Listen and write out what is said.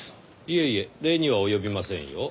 いえいえ礼には及びませんよ。